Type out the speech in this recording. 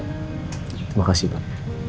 terima kasih pak